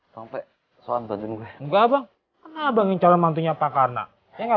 sampai soal badan gue nggak abang abang yang cara mantunya pak karena enggak